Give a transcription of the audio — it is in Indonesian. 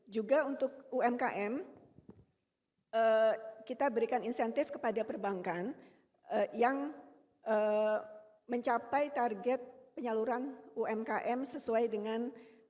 juga untuk umkm kita berikan insentif kepada perbankan yang mencapai target penyaluran umkm sesuai dengan